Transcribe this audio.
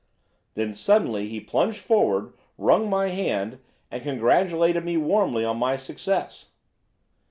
Then suddenly he plunged forward, wrung my hand, and congratulated me warmly on my success.